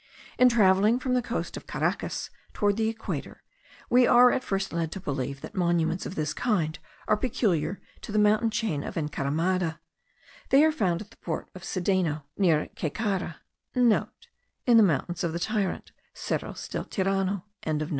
In travelling from the coast of Caracas towards the equator, we are at first led to believe that monuments of this kind are peculiar to the mountain chain of Encaramada; they are found at the port of Sedeno, near Caycara,* (* In the Mountains of the Tyrant, Cerros del Tirano.)